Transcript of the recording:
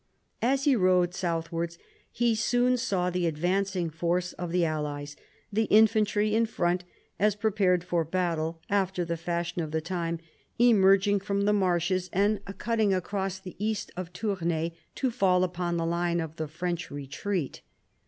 As he rode southwards he soon saw the advancing force of the allies, the infantry in front as prepared for battle after the fashion of the time, emerging from the marshes and cutting across to iv BOUVINES 101 the east of Tournai to fall upon the line of the French retreat.